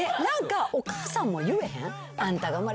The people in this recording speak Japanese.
お母さんも言えへん？